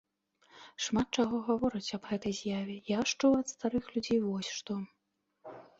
Шмат чаго гавораць аб гэтай з'яве, я ж чуў ад старых людзей вось што.